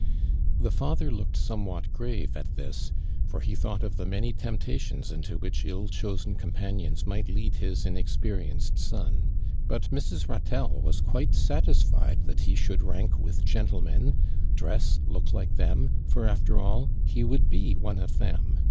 "' The fathci looked j<omewhat grave at this, for he thonfrhtol'the many temptations into which ill chosen companions might lead his inexperienced son: but Mrs. IKtelle was •' <juite satisHed tiiat he should rank with aentlenien. dress, look like them, i'or after all, he woulcl be one of them.